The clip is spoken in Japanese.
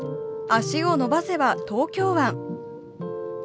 足を伸ばせば東京湾。